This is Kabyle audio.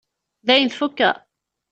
Dayen tfukkeḍ?